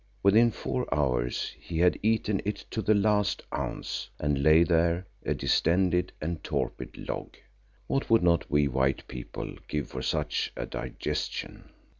Within four hours he had eaten it to the last ounce and lay there, a distended and torpid log. What would not we white people give for such a digestion!